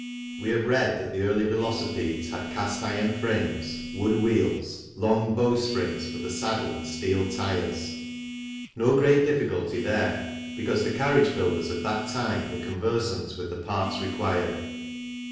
We have read that the early velocipedes had cast iron frames, wood wheels, long bow springs for the saddle and steel tyres. No great difficulty there, because the carriage builders of that time were conversant with the parts required.